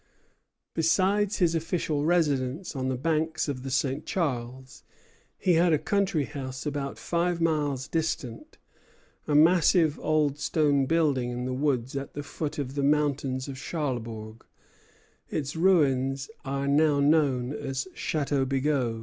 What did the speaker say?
Besides his official residence on the banks of the St. Charles, he had a country house about five miles distant, a massive old stone building in the woods at the foot of the mountain of Charlebourg; its ruins are now known as Château Bigot.